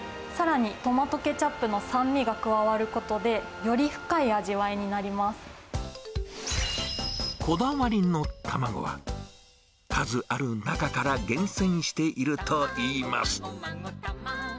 さらに、トマトケチャップの酸味が加わることで、より深い味わいになりまこだわりの卵は、数ある中から厳選しているといいます。